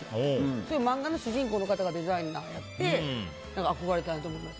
そういう漫画の主人公の方がデザイナーの方やって憧れたんやと思います。